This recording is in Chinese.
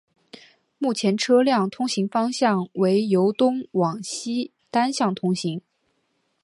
目前车辆通行方向为由东往西单向通行。